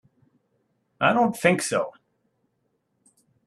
I don't think so.